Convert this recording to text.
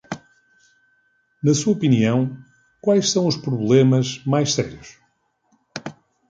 Na sua opinião, quais são os problemas mais sérios?